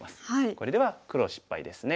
これでは黒失敗ですね。